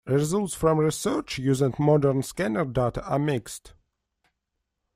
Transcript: Results from research using modern scanner data are mixed.